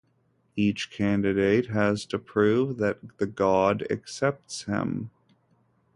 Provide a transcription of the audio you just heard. Each candidate has to prove that the god accepts him.